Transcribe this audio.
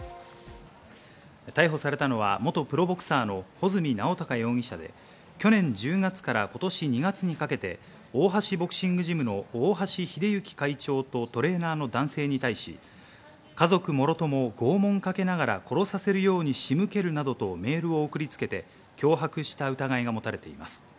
逮捕されたのは元プロボクサーの保住直孝容疑者で、去年１０月から今年２月にかけて大橋ボクシングジムの大橋秀行会長とトレーナーの男性に対し、家族もろとも拷問かけながら殺させるように仕向けるなどとメールを送りつけて脅迫した疑いが持たれています。